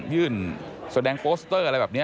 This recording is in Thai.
ยื่นแสดงโปสเตอร์อะไรแบบนี้